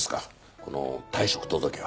この退職届は。